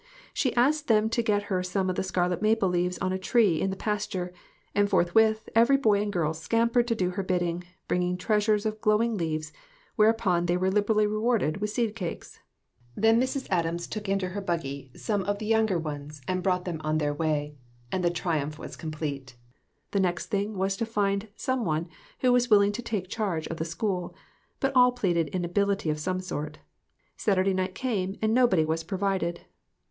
She asked them to get her some of the scarlet maple leaves on a tree in the pasture, and forthwith every boy and girl scampered to do her bidding, bringing treasures of glowing leaves, whereupon they were liberally rewarded with seed cakes. Then Mrs. Adams took into her buggy some of the younger ones and brought them on their way, and the tri umph was complete. The next thing was to find some one who was willing to take charge of the school, but all pleaded inability of some sort. Saturday night came and nobody was provided.